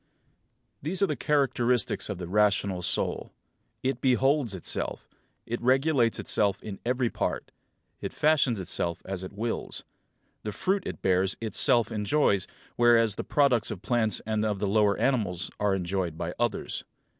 These are the characteristics of the rational soul: It beholds itself; it regulates itself in every part; it fashions itself as it wills; the fruit it bears itself enjoys, whereas the products of plants and of the lower animals are enjoyed by others.